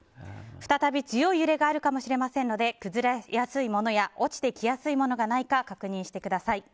再び強い揺れがあるかもしれませんので崩れやすいものや落ちてきやすいものがないか確認してください。